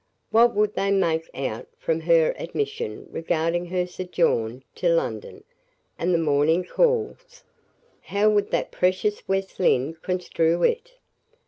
What would they make out from her admission regarding her sojourn in London and the morning calls? How would that precious West Lynne construe it?